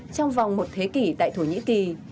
trong vòng một thế kỷ tại thổ nhĩ kỳ